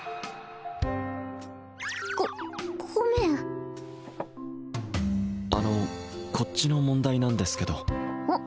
ごごめんあのこっちの問題なんですけどうん？